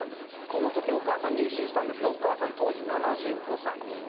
このときお母さん、入信したんですが、お母さん、当時７５歳。